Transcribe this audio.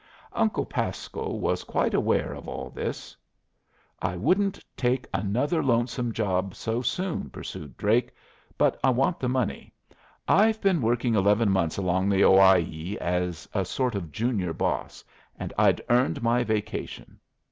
Uncle Pasco was quite aware of all this. "I wouldn't take another lonesome job so soon," pursued Drake, "but I want the money. I've been working eleven months along the Owyhee as a sort of junior boss, and I'd earned my vacation.